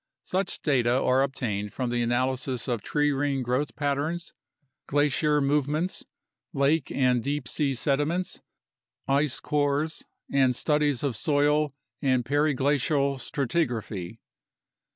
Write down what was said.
Such data are obtained from the analysis of tree ring growth patterns, glacier movements, lake and deep sea sediments, ice cores, and studies of soil and periglacial stratigraphy.